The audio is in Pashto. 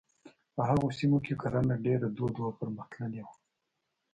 په هغو سیمو کې کرنه ډېره دود وه او پرمختللې وه.